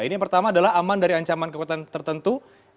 ini yang pertama adalah aman dari ancaman kekuatan tertentu